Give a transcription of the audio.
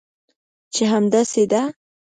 چې همداسې ده؟